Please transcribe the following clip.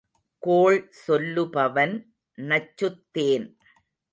கோள் சொல்லுபவன் நச்சுத்தேன்.